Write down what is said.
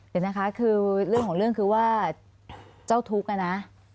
เดี๋ยวนะคะคือเรื่องของเรื่องคือว่าเจ้าทุกข์นะ